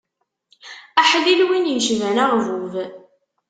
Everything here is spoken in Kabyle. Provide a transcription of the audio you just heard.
Aḥlil win icban aɣbub.